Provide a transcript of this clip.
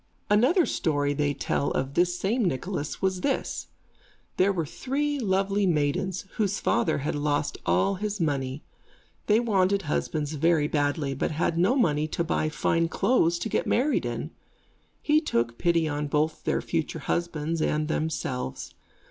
Another story they tell of this same Nicholas was this. There were three lovely maidens, whose father had lost all his money. They wanted husbands very badly, but had no money to buy fine clothes to get married in. He took pity on both their future husbands and themselves.